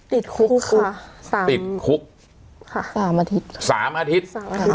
ติดคุกค่ะสามติดคุกค่ะสามอาทิตย์สามอาทิตย์สามอาทิต